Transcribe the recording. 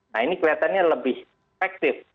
nah ini kelihatannya lebih efektif